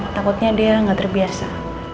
takutnya dia gak terbiasa